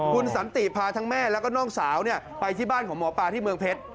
คุณสันติพาทั้งแม่แล้วก็น้องสาวไปที่บ้านของหมอปลาที่เมืองเพชร